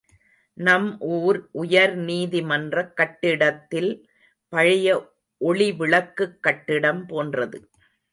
நம் ஊர் உயர் நீதி மன்றக் கட்டிடத்தில் பழைய ஒளிவிளக்குக் கட்டிடம் போன்றது.